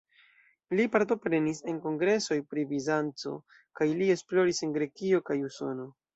Li partoprenis en kongresoj pri Bizanco kaj li esploris en Grekio kaj Usono.